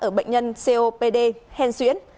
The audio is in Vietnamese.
ở bệnh nhân copd hèn xuyến